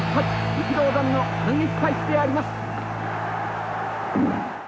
力道山の反撃開始であります。